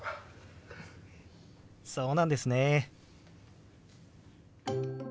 そうなんですね。